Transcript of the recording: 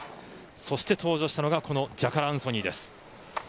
そして登場したのがジャカラ・アンソニーです。